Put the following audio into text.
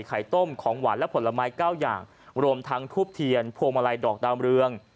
ไข่ต้มของหวานและผลไม้เก้าอย่างรวมทั้งทูบเทียนพวงมาลัยดอกดาวเรือง